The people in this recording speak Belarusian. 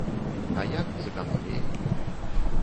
А як з эканоміяй?